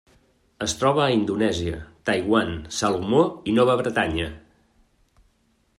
Es troba a Indonèsia, Taiwan, Salomó i Nova Bretanya.